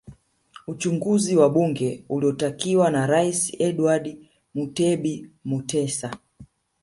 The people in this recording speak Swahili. Uchunguzi wa bunge uliotakiwa na Rais Edward Mutebi Mutesa